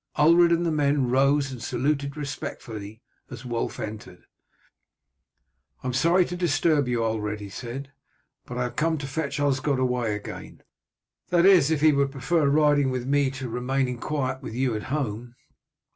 Ulred and the men rose and saluted respectfully as Wulf entered. "I am sorry to disturb you, Ulred," he said, "but I have come to fetch Osgod away again. That is if he would prefer riding with me to remaining quiet with you at home."